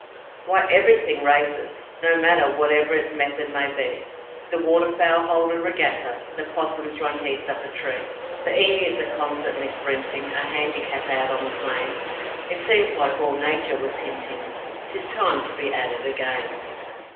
'Why, EVERYTHING races, no matter Whatever its method may be: The waterfowl hold a regatta; The 'possums run heats up a tree; The emus are constantly sprinting A handicap out on the plain; It seems like all nature was hinting, 'Tis time to be at it again.